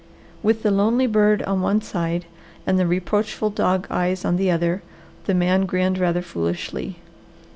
With the lonely bird on one side, and the reproachful dog eyes on the other, the man grinned rather foolishly.